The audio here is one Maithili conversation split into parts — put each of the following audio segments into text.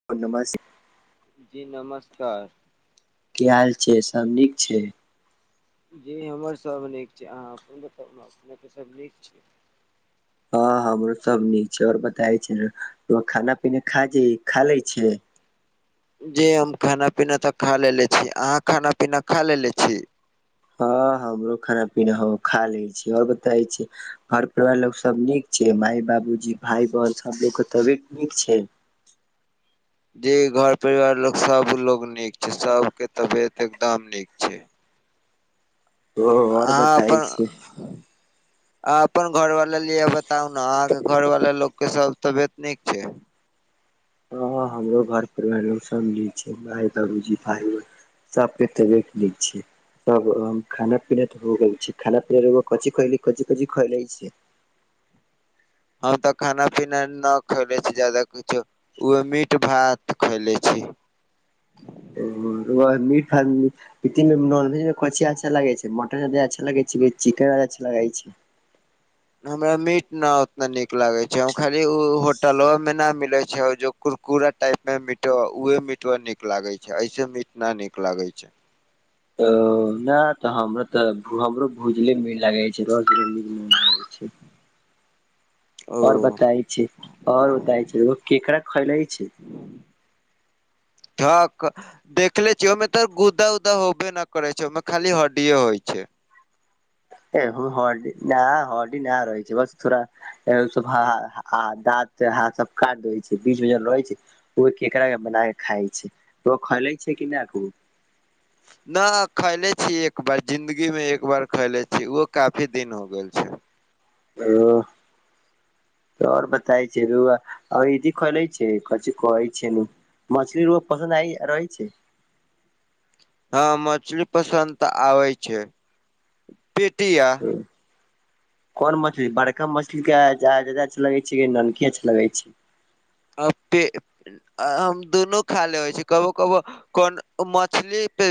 [unintelligible] जी नमस्कार। की हाल छै, सब नीक छै। जी हमर सब नीक छै, आहां अपन बताऊ नै अपने के सब नीक छै। हां हमरो सब नीक छै और बताए छीयै नै रउवा खाना पीना खा जी खा लै छीयै? जी हम खाना पीना तऽ खा लेले छीयै, अहाँ खाना पीना खा लेले छी? हां हमरो खाना-पीना हम खा लेलै छीयै और बताइ छीयै। घर परिवार लोग सब नीक छै, माय, बाबूजी, भाय बहन सब लोग के तबियत नीक छै? जी घर परिवार लोग सब लोग नीक छै, सबके तबियत एकदम नीक छै। ओ और आहां बताय अपन छै आब अपन घर वाला लिए बताउ नै अहाँ के घर वाला लोक के सब तबियत नीक छै। हां हमरो घर परिवार लोग सब निक छै, माई, बाबूजी, भाई, बहन सबके तबियत नीक छै। तब हम खाना-पीना तऽ हो गेल छै, खाना-पीना रउवा कौंची खैली कौंची-कौंची खैले छीयै। हम तऽ खाना-पीना न खयले छीयै जादा कुछो। ई ओह मीट भात खैले छी। [unintelligible] नॉनवेज मे कछी अच्छा लगै छै मटन अच्छा लगै छै या चिकेन अच्छा लगै छै। हमरा मीट न उतना नीक लागै छै खाली ऊ होटलोमे ना मिलै छै जो, कुरकुरा टाइप मे मिट उहे मिट नीक लागे छै ऐसे मिटना ना नीक लागे छै। ओ ना त हमरो त हमरो भूजले नीक लागे छै रोज [unintelligible] छै। ओ आओर बताय छी आओर बताय छै ओ केकरा खैलाै छै। ठक, देखले छियै ओहिमे त गुदा उदा होबे न करै छै ओहिमे खाली हड्डीए होय छै। ए हरडी न हरडी न रहै छै बस त थोरा, सब [unintelligible] काट दैय छै बीच मे जन रहै छै। ओ केकरा के बना के खाय छै ओ खे छै कि न, न खाएले छी एक बार जिंन्दगी मे एक बार खाएले छी ओहो काफी दिन हो गेल छै। ओ। त आओर बताय छै रदी खोले छै क कहै छै नू। मछली रोग पसन्द आइ रहै छै। हँ मछली पसन्द त आबे छै। पेटी आ, ह कोन मछली बड़का मछली केदा अच्छा लगे छै नानकी अच्छा लगे छै। अतै आम दुनू खा ले होइ छी कबो कबो, कोन मछली पे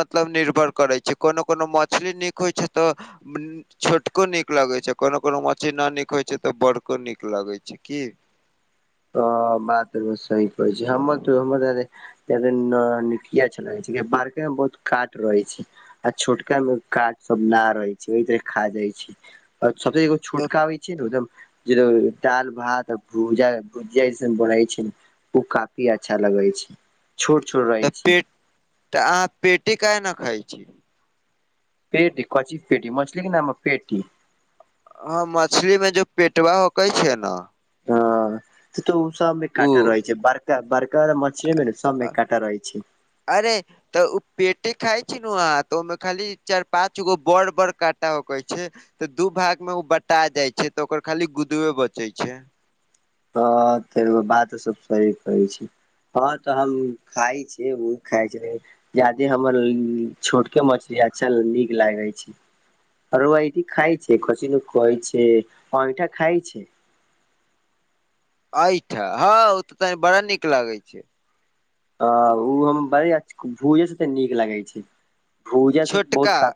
मतलब निर्भर करैत छै कोनो कोनो मछली नीक होइत छै त। हम्म। छोटको नीक लागै छै कोनो कोनो मचीना नीक होय छै त बड़को नीक लागै छै की। ओ बात र ब सही कहे छै हमर त हमर, [unintelligible] छैलै सीधै बारका बहुत काट रहे छै। आ छोटका मे काट सब ना रहै छै ओहि त खा जाय छै। [unintelligible] तऽ छोटका होइ छै ने एकदम जे दाल भात आ भूजा, उज्जसन बोनै छै ओ काफी अच्छा लगै छै। छोट छोरा, त पेट त अहाँ पेटी काहना खाइ छी। पेटी कची पेटी मछली कि नाम पेटी‌। ह मछली में जो पेटवा होक छै न, त ओ सब उ काटा रहै छै बरका बरका मछरीमे ने सबमे अ- काटा रहै छै। अरे। त ओ पेटे खाय छै न वहाँं त ओमें खाली चार पाँच गो बोड़ बरका काँटा होके छै। त दू भाग में ओ बटा जायै छै त ओकर खाली गुदेए बचे छै। ह तैगो बात सब सही कहै छी। हँ त हम खाइ छियै ओ खाइ छै। जदे हमर छोटके मछली अच्छा नीक लागै छी। अर अऐ खायै छै खसी न खौआए छै अइठा खायै छै। एहिठ हँ ओ त त बड़ा नीक लागे छै। आ उ हम बड़िया भूजै से त निक लागै छै। भूजसे बहुत छोटका कात,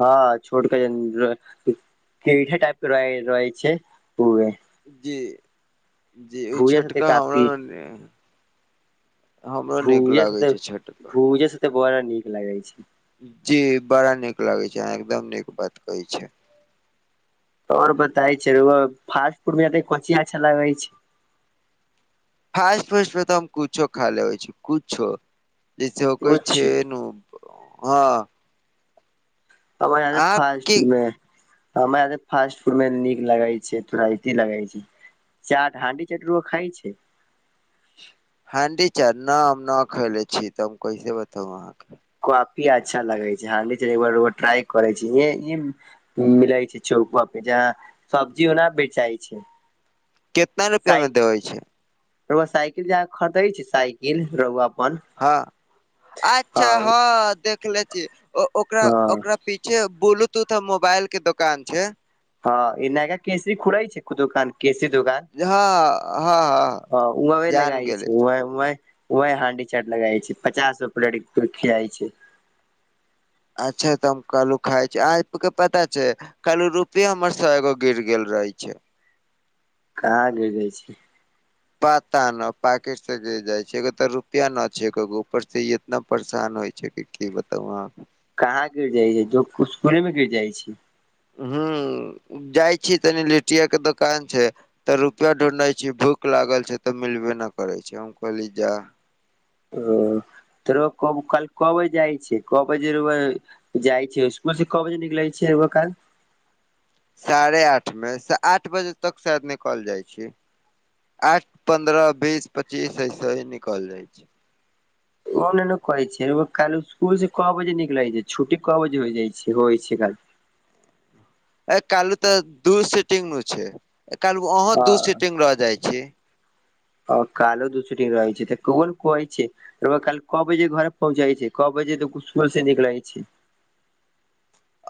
हँ छोटका केहने टेहै टाइप के रहै रहै छै ओमे। जी जी ओ साथे छोटका काफी हमरा, भूजअ सेत छोटका भूजअ सेतअ बड़ा निक लगै छै। जी बड़ा निक लागे छै, अह एकदम निक बात कहै छियै। और बताइ छै फास्ट फूड मे कोनचि अच्छा लागै छै? फास्ट फ्रेसमे त हम कुछो खा लेबै छै कुछो जेसै कोइ कुछ छैनु हां हमर की फमे हमरा [unintelligible] फास्ट फूड में निक लगै छै थोड़ा अथी लगे छै। चाट हांडी चटरू खाइ छै? हांडी चाट ना हम ना खयले छी तऽ हम कैसे बताउ अहाँके कॉफी अच्छा लगे छै हमहि ट्राइ करै छी यै। मिलै छै चौकवाफिजा सब्जी ओना बेचाइ छै। केतना रुपिया साइ मे दै छै? रउआ साइकिल जाक खरदै छै साइकिल रउआ अपन हां अच्छा हँ हां देखले छी ओकरा हँ ओकरा पिछे ब्लूटूथ आऽ मोबाइल के दुकान छै। हँ इ नैगा कैसे खुरै छै? दुकान केसी दुकान हँ हँ हँ ह उह जान लगाइ छै गेले छी। उह उह वाहइ हांडी चाट लगाइ छै पचास गो प्लेटी खियाइ छै। अच्छा त हम कालू खाय छै। आइके पता छै? कहलू रुपे हमर सौ एगो गिर गेल रहै छै। कहाँ गिर गिरगिरे छी? पता न पैकिट से गिर जाय छै एगो त रुपिया न छै एकोगो ऊपर से इ इतना परेशान होय छै कि कि बताउ अहां के? कहाँ गिर जाइ य जो उसकुले मे गिर जाइ छै। हू जाइ छी तनि लि्टिया के दोकान छै। तऽ रुपा ढूँढै छी भूख लागल छै तऽ मिलबे ना करै छै हम कहली जा ओ त रउआ कब कालि क बजे जाइ छै? क बजेै रउआ जाइ छी उमहरसे क बजे निकलै छी रउआ कालि? साड़े आठ में आठ बजे तक शायद निकल जाइ छी। आठ पन्द्रह बीस पच्चीस ऐसे ही निकल जाय छी। ओ ना ना कहै छी रउआ कालि स्कूल से क बजे निकलै छै छुट्टी क बजे हो जाइ छै होइ छै कालि? ए कहलो तऽ दू सीटिंग मे छै एकालगो अहूं दू हँ सीटिंग रह जाइ छी। आ कालो दू सीटिंग रहै छै तऽ कोन कहै छै? रउआ कालि क बजे घर पहुँच जाइ छी क बजे त स्कूल से निकलै छी।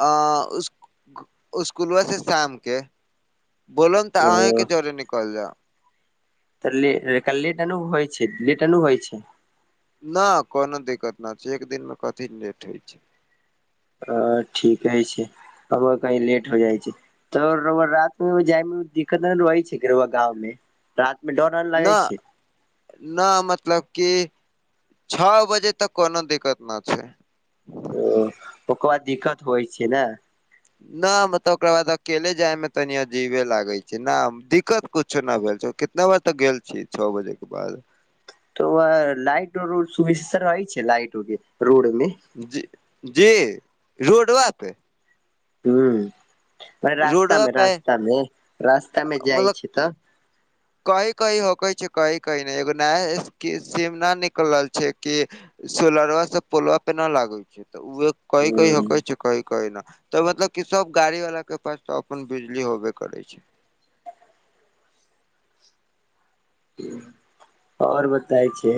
आ उस उस्कूलबा से शामके बलम तऽ ओ अहिके जरे निकल जाउ तऽे लेटा अन होइ छै लेट अना होइ छै। ना कोनो दिक्कत ना छै एक दिन मे कथी लेट होइ छै। अ ठीके छै अब कही लेट हो जाइ छै। तऽ राउआ रात मे जाइ मे दिक्कत नेना रहै छै रउआ गाँव मे? राति में डर अर लगै न छै? न मतलब कि छ बजे तक कोनो दिक्कत ना छै। ओ ओकर दिक्कत होइ छै ना? ना म तब ओकरा बाद अकेले जाय में तनी अजीबे लागे छै न दिक्कत कुछ छैना भेल छै कितना बजे तक गेल छियै छ बजे के बाद तऽ व लाइट रउ सुचि रहै छै लाइट उके रोड मे। जी जी रोडवापे हू ओय रोडवा रस्तामे पे रस्तामें रस्तामे जाइ छै तऽ। ह कहि कहि हो कहय छै कहि कहि नहि एगो नया इसकिम सीमा नऽ निकलल छैय। कि सोलरवा सब पोलवा पे न लागल छै तऽ उ कहि कहि हो हूँ कहय छै कहि कहि न तऽ मतलब कि सब गाड़ी बला के पास तऽ अपन बिजली होबे करै छै। ओर बताय छै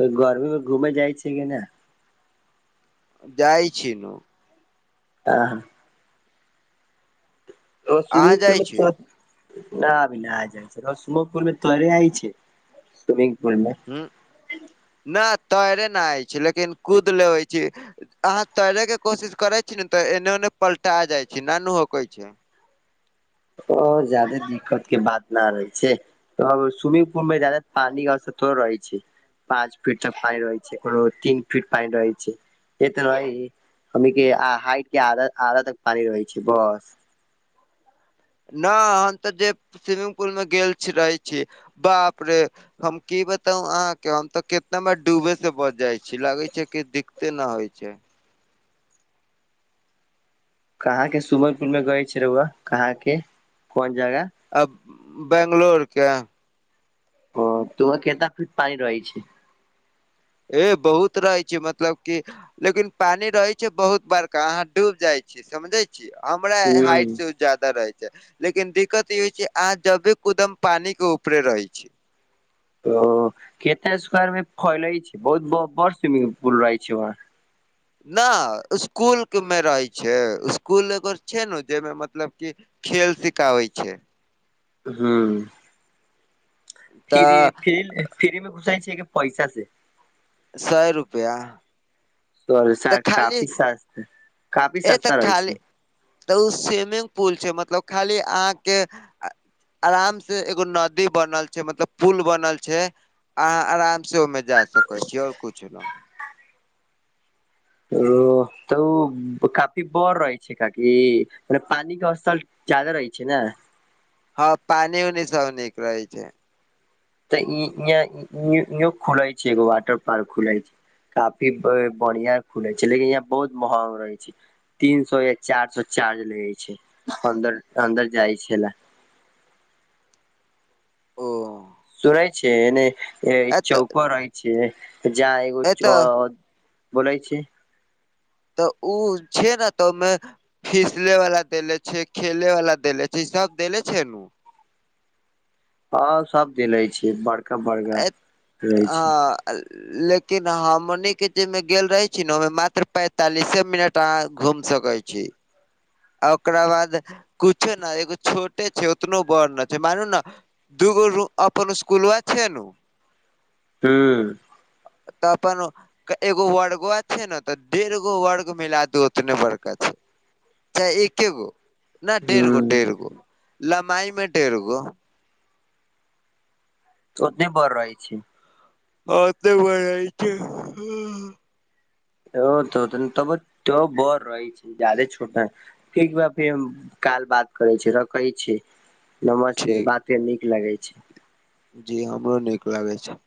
कोई गर्मी मे घूमे जाइ छै कि ने जाइ छी नु आहा ओ अहाँ स्विमिंग पूल जाइ में छी च न अभी नहि आ जाइ छै रसमुखपुर मे तोरे आइ छै स्विमिंग पुल मे ऊहु नऽ तैरे नहिइ छै। लेकिन कुद लेबै छी। अहाँ तैरै के कोशिश करै छी ने तऽ एने ओने पलटा जाइ छी न नू होकै छै। हऽ जादे दिक्कत के बात नऽ रहै छै। तब स्विमिंग पुल मे जादा पानीे अवसयक थौड़े रहै छै। पाँच फिट तक पाइन रहै छै कोनो में तीन फिट पाइन रहै छै। से तऽ हम हमनिके हाइट के आध आधा तक पानी रहै छै बस नऽ हम तऽ जे स्विमिंग पुल में गेल छी रहे छी बाप रे हम की बताउ अहाँ के हम तऽ कितना बार डूबे से बच जाइ छी। लागे छै कि दिक्कते न होय छै। कहाँ के स्विमंगपुल में गय छै रउवा कहाँ के कोन जगह आ बैंगलोर के ओ तऽ उहा केतना फीट पानी रहै छै। ए बहुत रहै छै। मतलब कि लेकिन पानी रहे छै बहुत बरका अहाँ डूब जाय छी समझय छि हमरा ह हाइट से ऊऽ जादा रहै छै। लेकिन दिक्कत ई होय छै अहा जबे कुदम पानी के ऊपरे रहे छी। ओ केतै स्क्वायर मे फैलइ छै बहुत ब बड़ स्विमिंग पुल रहै छै वहाँ नै इसकुल के मे रहै छै इसकुल एगो छै ने जइमे मतलब की खेल सिखाबै छै। हुं फ्री तऽ फ्र फ्री मे घुसाइ छिए कि पैसा से सए रुपैआ तौरेसा काफी सस्त काफी ए तऽ सस्ता रहै खाली छै। तऽ ओ स्विमिंग पुल छै मतलब खाली अहाँके आराम से एगो नदी बनल छै मतलब पुल बनल छै अहा आराम से ओमें- जा सकै छी ओर कुछ ना ओ तब ऊऽ काफी बर रहै छै काकि मने पानी के असल जादा रहै छै ने हँ पानी ओनी सब नीक रहै छै। तऽ ई या न्यू न्यू खुलय छै एगो वॉटर पार्क खुलय छै। काफी बऽ बढ़िया खुलै छै लेकिन यहाँ बहुत महग रहै छै। तीन सौ या चार सौ चार्ज लगे छै अन्दर अन्दर जाइ छै लै। ओ सुनै छै एने एतऽ चौप रहै छै जहां एगो चौ एतऽ बोलै छी? तऽ ओ छै ने तऽ‌ मे फीसले वाला देले छै, खेले वाला देले छै, सब देले छै नु हँ सब दिले छी बड़ एत आ लेकिन हमनी के जेहिमे गेल रहे छी ने ओहिमे मात्र पैंतालिसे मिनट तऽ क घूम सकै छी। आ ओकरा बाद कुछो ने एगो छोटे छै उतनो बड़ न छै मानू ने दूगो रू अपन स्कूल व छै नु हँ तपन ओ एगो वर्गो छै ने तऽ डेढ़ गो वर्ग मिला दू उतने वर्ग का छै। चाहे एके गो न डेढ़ गो ह्म डेढ़ गो ल्वाई मे डेढ़ गो ओनी बर रहै छै। अ तऽ बर रहे छै ओ ओ तऽ त तब त बर रहै छै ज्यादे छोटा ठीक ब फेर हम काल बात करे छी रखै छी। नमस्ते ठीक बात के नीक लगै छै। जी हमरो नीक लागे छै।